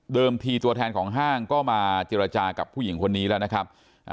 ทีตัวแทนของห้างก็มาเจรจากับผู้หญิงคนนี้แล้วนะครับ